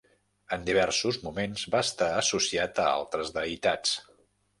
En diversos moments va estar associat a altres deïtats.